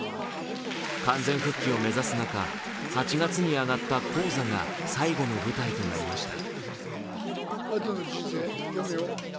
完全復帰を目指す中、８月に上がった高座が最後の舞台となりました。